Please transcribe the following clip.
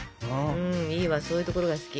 いいわそういうところが好き。